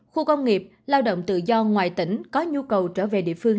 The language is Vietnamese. khu công nghiệp lao động tự do ngoài tỉnh có nhu cầu trở về địa phương